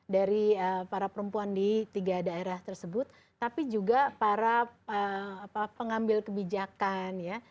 dari para perempuan di tiga daerah tersebut tapi juga para pengambil kebijakan ya